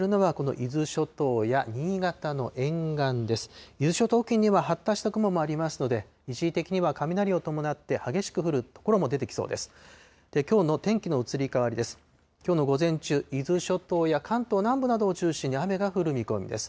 伊豆諸島付近には発達した雲もありますので、一時的には雷を伴って、激しく降る所も出てきそうです。